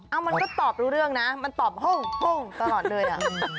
อ้าวมันก็ตอบรู้เรื่องนะมันตอบห่งตลอดเลยอ่ะ